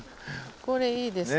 これいいですね。